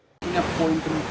pemimpinnya adalah pemimpin fahri